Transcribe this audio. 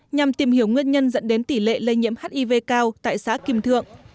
nhằm tìm hiểu nguyên nhân dẫn đến tỷ lệ lây nhiễm hiv cao tại xã kim thượng